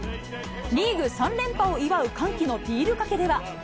リーグ３連覇を祝う歓喜のビールかけでは。